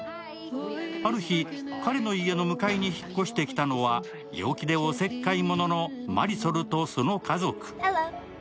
ある日、彼の家の向かいに引っ越してきたのは陽気でおせっかいもののマリソルとその家族。